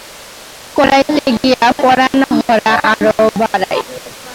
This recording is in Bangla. সকলকে চুপ করাইতে গিয়া পরাণহরা আরও বাড়ায়।